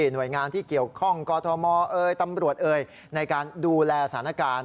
หน่วยงานที่เกี่ยวข้องกอทมเอยตำรวจเอ่ยในการดูแลสถานการณ์